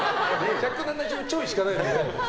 １７０ちょいしかないです。